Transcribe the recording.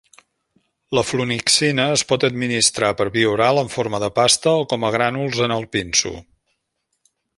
La flunixina es pot administrar per via oral en forma de pasta o com a grànuls en el pinso.